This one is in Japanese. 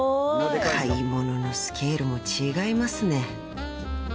［買い物のスケールも違いますね］